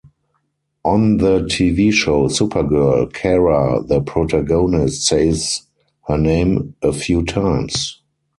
On the Tv Show “Supergirl”, Kara, the protagonist, says her name a few times.